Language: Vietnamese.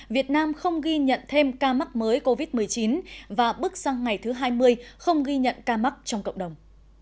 việt nam không ghi nhận thêm ca mắc mới covid một mươi chín và bước sang ngày thứ hai mươi không ghi nhận ca mắc trong cộng đồng